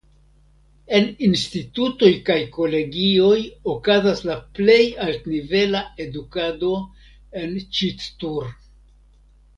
En institutoj kaj kolegioj okazas la plej altnivela edukado en Ĉittur.